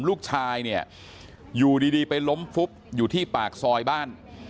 ลูกชายเนี่ยอยู่ดีไปล้มฟุบอยู่ที่ปากซอยบ้าน